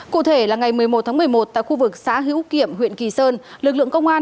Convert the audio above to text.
cụ thể ngày một mươi một một mươi một tại khu vực xã hữu kiểm huyện kỳ sơn lực lượng công an